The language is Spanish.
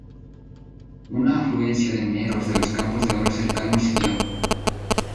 Una afluencia de mineros de los campos de oro cercanos siguió.